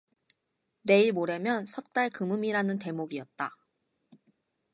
내일 모레면 섣달 그믐이라는 대목이었다.